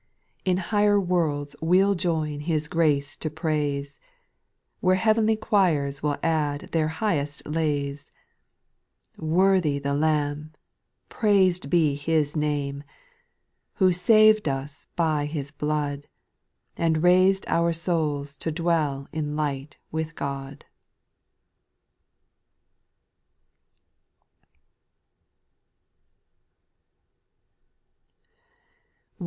6. In higher worlds we'll join His grace to praise, Where heavenly choirs will add their highest lays ; Worthy the Lamb, prais'd be His name, Who saved us by His blood, And rais'd our souls to dwell in light with God. 142.